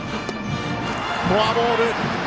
フォアボール！